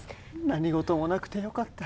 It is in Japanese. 何事もなくてよかった。